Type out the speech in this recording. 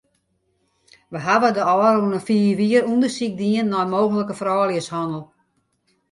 Wy hawwe de ôfrûne fiif jier ûndersyk dien nei mooglike frouljushannel.